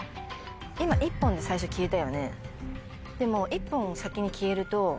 今１本で最初消えたよね。